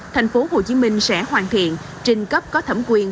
tp hcm sẽ hoàn thiện trình cấp có thẩm quyền